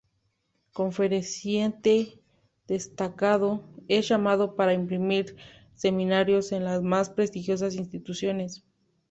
Conferenciante destacado, es llamado para impartir seminarios en las más prestigiosas instituciones.